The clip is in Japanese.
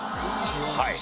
はい。